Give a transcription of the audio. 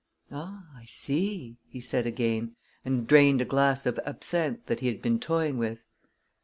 "Ah, I see," he said again, and drained a glass of absinthe he had been toying with.